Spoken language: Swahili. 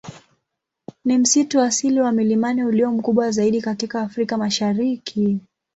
Ni msitu asili wa milimani ulio mkubwa zaidi katika Afrika Mashariki.